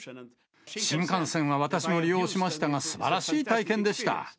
新幹線は私も利用しましたが、すばらしい体験でした。